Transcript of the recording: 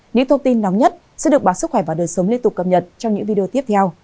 những thông tin nóng nhất sẽ được báo sức khỏe và đời sống liên tục cập nhật trong những video tiếp theo